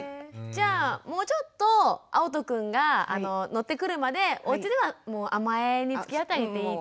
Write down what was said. じゃあもうちょっとあおとくんが乗ってくるまでおうちでは甘えにつきあってていいと。